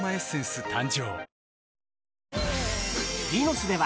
誕生